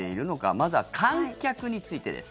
まずは、観客についてです。